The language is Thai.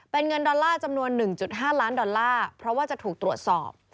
เป็นเงินดอลลาร์จำนวน๑๕ล้านดอลลาร์เพราะว่าจะถูกตรวจสอบ